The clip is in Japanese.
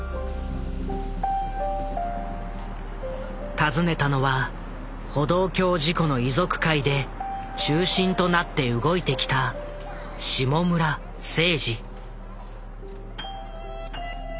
訪ねたのは歩道橋事故の遺族会で中心となって動いてきた下村誠治。